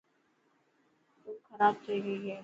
تي کراب ٿي گئي هي.